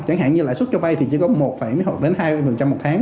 chẳng hạn như lãi suất cho bay thì chỉ có một một đến hai mỗi tháng